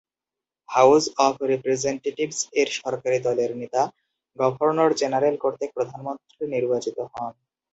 House of রেপ্রেজেন্টেটিভস-এর সরকারি দলের নেতা গভর্নর জেনারেল কর্তৃক প্রধানমন্ত্রী নির্বাচিত হন।